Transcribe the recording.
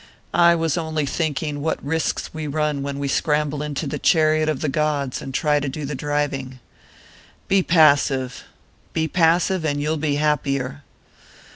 "I was only thinking what risks we run when we scramble into the chariot of the gods and try to do the driving. Be passive be passive, and you'll be happier!"